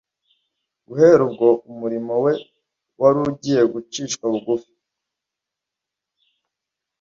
Guhera ubwo umurimo we wari uaiye gucishwa bugufi.